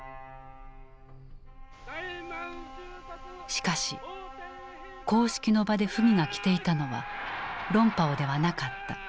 しかし公式の場で溥儀が着ていたのは龍袍ではなかった。